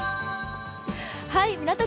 港区